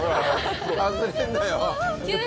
外れんなよ。